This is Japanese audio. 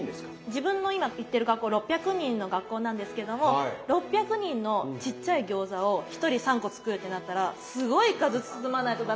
自分の今行ってる学校６００人の学校なんですけども６００人のちっちゃい餃子を１人３個作るってなったらすごい数包まないと駄目じゃないですか。